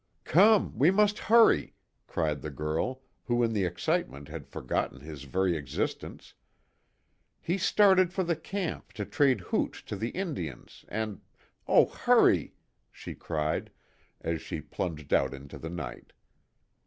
"Come we must hurry!" cried the girl, who in the excitement had forgotten his very existence, "He started for the camp, to trade hooch to the Indians and oh, hurry!" she cried, as she plunged out into the night.